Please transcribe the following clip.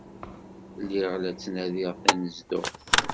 Lliɣ la ttnadiɣ tanezduɣt.